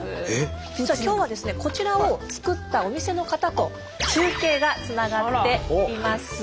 実は今日はですねこちらを作ったお店の方と中継がつながっています。